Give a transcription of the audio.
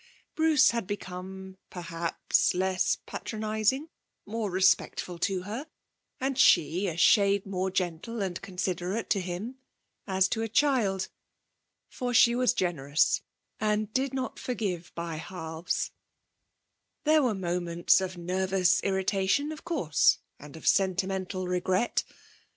Bruce had become, perhaps, less patronising, more respectful to her, and she a shade more gentle and considerate to him, as to a child. For she was generous and did not forgive by halves. There were moments of nervous irritation, of course, and of sentimental regret.